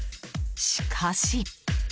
しかし。